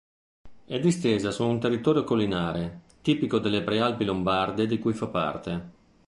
È distesa su un territorio collinare, tipico delle prealpi lombarde di cui fa parte.